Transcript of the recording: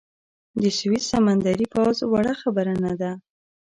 د سویس سمندري پوځ وړه خبره نه ده.